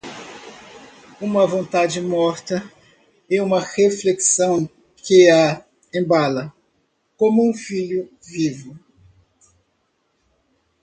Uma vontade morta e uma reflexão que a embala, como a um filho vivo...